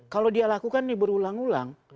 kalau dia lakukan ini berulang ulang